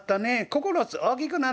９つ大きくなったね』。